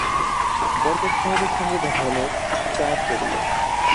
বরকত সাহেবের সঙ্গে দেখা হল চায়ের টেবিলে।